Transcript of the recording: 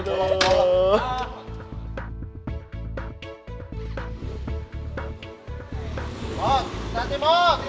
ya pak maaf pak